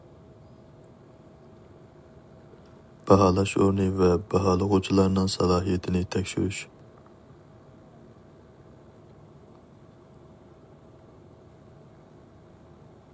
باھالاش ئورنى ۋە باھالىغۇچىلارنىڭ سالاھىيىتىنى تەكشۈرۈش.